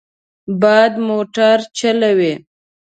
باد موټر چلوي.